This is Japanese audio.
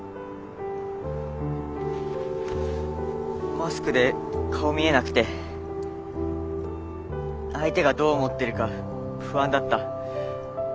マスクで顔見えなくて相手がどう思ってるか不安だった。